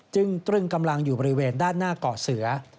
ตรึงกำลังอยู่บริเวณด้านหน้าเกาะเสือ